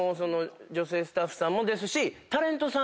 女性スタッフさんもですし。